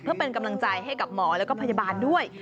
เพื่อเป็นกำลังใจให้กับหมอแล้วก็พยาบาลด้วย